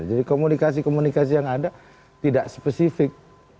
jadi komunikasi komunikasi yang ada tidak spesifik